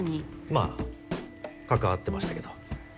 まあ関わってましたけど。